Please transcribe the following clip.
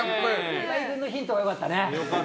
岩井君のヒントが良かったね。